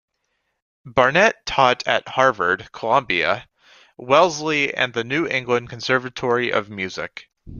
Barnett taught at Harvard, Columbia, Wellesley and the New England Conservatory of Music.